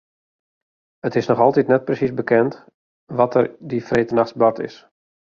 It is noch altyd net presiis bekend wat der dy freedtenachts bard is.